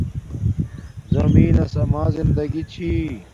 زمین نس اما زندگی چھی